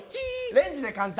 レンジで簡単。